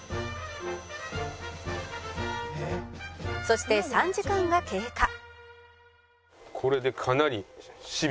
「そして３時間が経過」